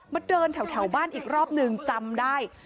มาเดินแถวบ้านอีกรอบนึงจำได้